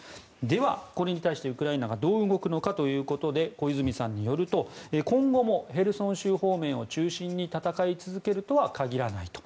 では、これに対してウクライナがどう動くのかということで小泉さんによると今後もヘルソン州方面を中心に戦い続けるとは限らないと。